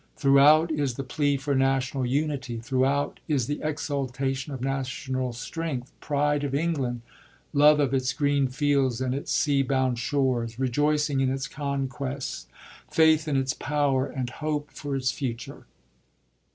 Throughout is the plea for national unity ; throughout is the exultation of national strength, pride of England, love of its green fields and its sea bound shores, rejoicing in its conquests, faith in its power, and hope for its future.